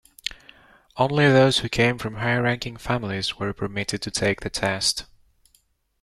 Only those who came from high-ranking families were permitted to take the test.